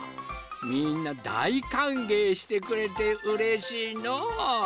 みんなだいかんげいしてくれてうれしいのう。